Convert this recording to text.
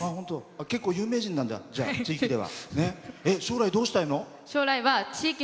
結構、有名人なんだ地域では。